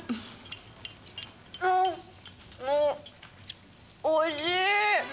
もう、おいしい。